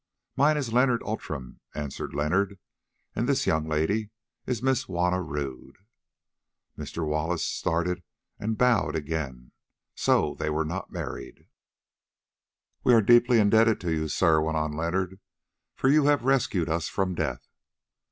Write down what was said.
"Mine is Leonard Outram," answered Leonard, "and this young lady is Miss Juanna Rodd." Mr. Wallace started and bowed again. So they were not married! "We are deeply indebted to you, sir," went on Leonard; "for you have rescued us from death."